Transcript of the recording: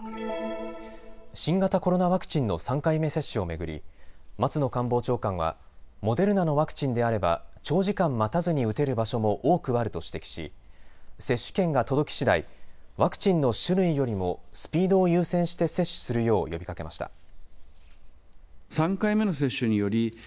新型コロナワクチンの３回目接種を巡り、松野官房長官はモデルナのワクチンであれば、長時間待たずに打てる場所も多くあると指摘し、接種券が届きしだいワクチンの種類よりもスピードを優先して接種するよう呼びかけました。